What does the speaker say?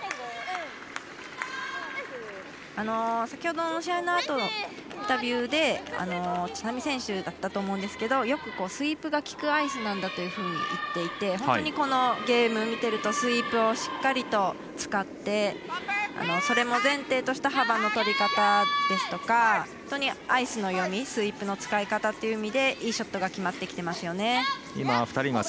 先ほどの試合のあとのインタビューで知那美選手だったと思うんですけどよくスイープが効くアイスなんだというふうに言っていて本当に、このゲームを見てるとスイープをしっかり使ってそれも前提とした幅の取り方ですとか本当にアイスの読みスイープの使い方というのがいいショットが決まってきていますよね。